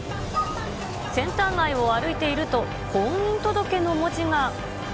センター街を歩いていると、婚姻届の文字が。